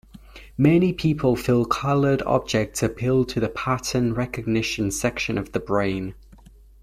Many people feel colored objects appeal to the pattern recognition section of the brain.